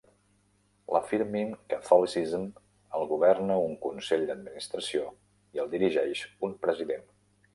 L'"Affirming Catholicism" el governa un consell d'administració i el dirigeix un president.